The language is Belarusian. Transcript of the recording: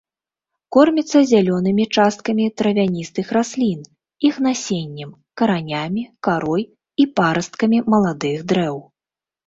Корміцца зялёнымі часткамі травяністых раслін, іх насеннем, каранямі, карой і парасткамі маладых дрэў.